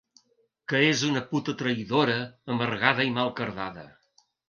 Que és una puta traïdora, amargada i mal cardada.